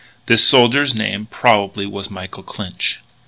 This soldier's name, probably, was Michael Clinch.